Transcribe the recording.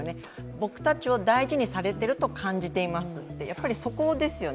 僕たちはを大事にされていると感じていますと、やはりそこですよね。